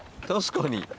確かに。